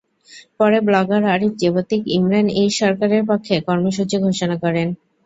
পরে blogger Arif Jebtik Imran H সরকারের পক্ষে কর্মসূচি ঘোষণা করেন।